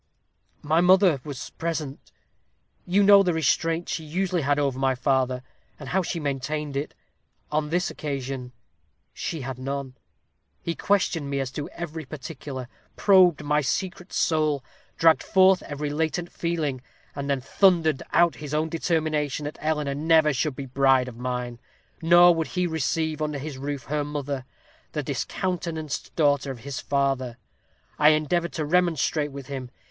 "My mother was present. You know the restraint she usually had over my father, and how she maintained it. On this occasion she had none. He questioned me as to every particular; probed my secret soul; dragged forth every latent feeling, and then thundered out his own determination that Eleanor never should be bride of mine; nor would he receive, under his roof, her mother, the discountenanced daughter of his father. I endeavored to remonstrate with him.